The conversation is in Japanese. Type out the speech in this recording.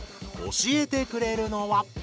教えてくれるのは。